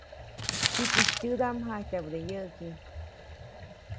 Jikisy tyädaʼm jaʼityabäde yäʼki.